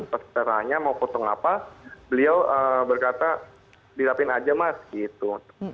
terus kita tanya mau potong apa beliau berkata dirapin aja mas gitu